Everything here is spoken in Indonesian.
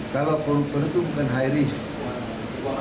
kalau korupsor itu bukan high risk